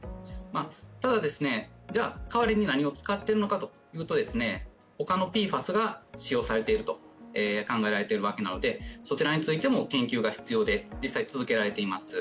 ただ、じゃあ代わりに何を使っているのかというと他のＰＦＡＳが使用されていると考えられているわけなのでそちらについても研究が必要で、実際、続けられています。